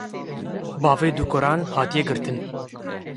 bavê dû kûran hatiye girtin